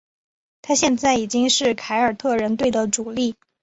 他现在已经是凯尔特人队的主力。